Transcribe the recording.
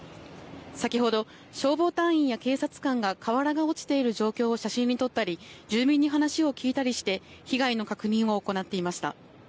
先ほど消防隊員や警察官が、瓦が落ちている状況を写真に撮ったり、住民に話を聞いたりして、被害の確認を行っていました。